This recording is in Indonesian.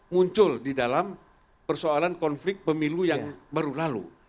muncul di dalam persoalan konflik pemilu yang baru lalu